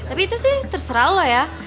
tapi itu sih terserah loh ya